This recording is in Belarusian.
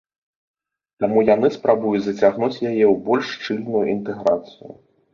Таму яны спрабуюць зацягнуць яе ў больш шчыльную інтэграцыю.